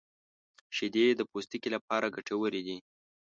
• شیدې د پوستکي لپاره ګټورې دي.